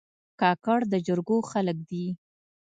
کاکړ د جرګو خلک دي.